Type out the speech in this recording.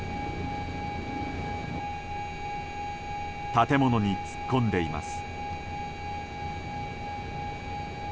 建物に突っ込んでいます。